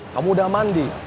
kamu udah mandi